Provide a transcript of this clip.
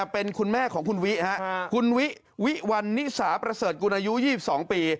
เป็นคุณแม่ของคุณวิคุณวิวิวัลนิสาประเสริฐกุลอายุ๒๒ปี